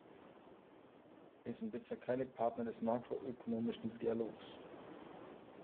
Wir sind bisher keine Partner des makroökonomischen Dialogs.